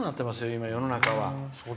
今、世の中は。